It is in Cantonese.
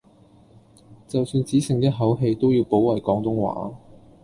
就算只剩一口氣都要保衛廣東話